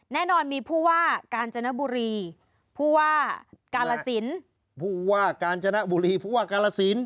แน่นอนมีผู้ว่ากาญจนบุรีผู้ว่ากาลสินผู้ว่ากาญจนบุรีผู้ว่ากาลสิน